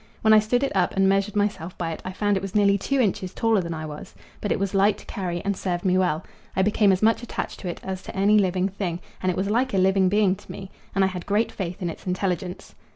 When I stood it up and measured myself by it I found it was nearly two inches taller than I was, but it was light to carry and served me well: I became as much attached to it as to any living thing, and it was like a living being to me, and I had great faith in its intelligence.